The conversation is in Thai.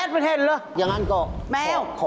เบาโง่กระดูก